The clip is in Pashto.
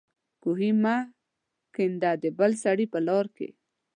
کوهي مه کېنده د بل سړي په لار کې